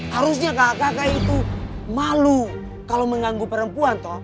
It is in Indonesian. harusnya kakak kakak itu malu kalau mengganggu perempuan